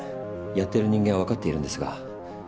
やってる人間はわかっているんですが。